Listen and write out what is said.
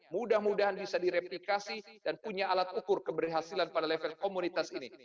mudah mudahan bisa direplikasi dan punya alat ukur keberhasilan pada level komunitas ini